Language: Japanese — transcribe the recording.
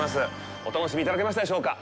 お楽しみいただけましたでしょうか。